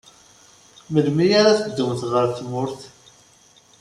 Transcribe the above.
Melmi ara teddumt ɣer tmurt?